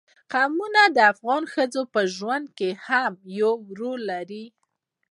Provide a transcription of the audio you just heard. قومونه د افغان ښځو په ژوند کې هم یو رول لري.